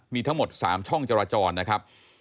มีทั้งหมด๓ช่องจราจรนะครับ